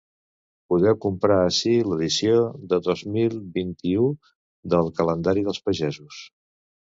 Podeu comprar ací l’edició de dos mil vint-i-u del ‘Calendari dels pagesos’